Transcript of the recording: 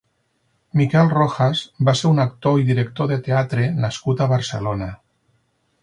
Miquel Rojas va ser un actor i director de teatre nascut a Barcelona.